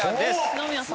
篠宮さん！